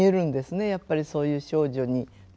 やっぱりそういう少女にとってはね。